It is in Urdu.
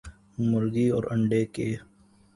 مرغی اور انڈوں ک